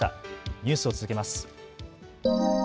ニュースを続けます。